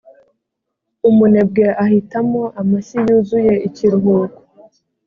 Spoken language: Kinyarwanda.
umunebwe ahitamo amashyi yuzuye ikiruhuko